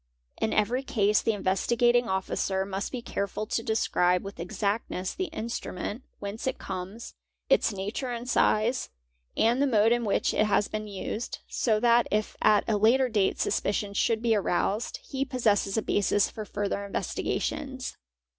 In every case the Investigating" Officer must be careful to describe with exactness the instrument, whence it comes, its nature and size, and the mode in which it has been used, so that if at a later date suspicion should be aroused, he possesses a basis for further investigations.